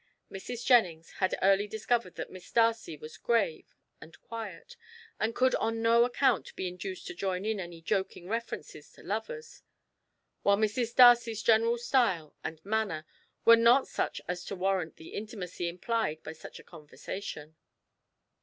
Mrs. Jennings had early discovered that Miss Darcy was grave and quiet, and could on no account be induced to join in any joking references to lovers, while Mrs. Darcy's general style and manner were not such as to warrant the intimacy implied by such a conversation.